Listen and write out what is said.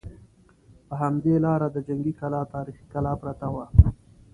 په همدې لاره د جنګي کلا تاریخي کلا پرته وه.